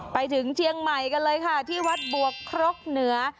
ไปถึงเชียงใหม่กันเลยค่ะที่วัดบวกครกเหนือ